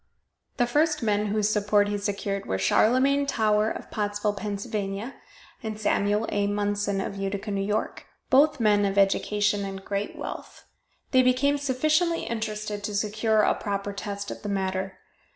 The first men whose support he secured were Charlemagne Tower of Pottsville, Pa., and Samuel A. Munson of Utica, N. Y., both men of education and great wealth. They became sufficiently interested to secure a proper test of the matter.